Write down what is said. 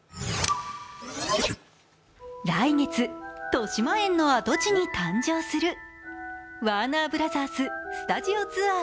来月、としまえんの跡地に誕生するワーナーブラザーズスタジオツアー